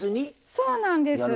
そうなんです。